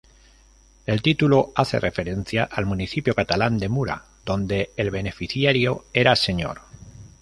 El título hace referencia al municipio catalán de Mura, donde el beneficiario era señor.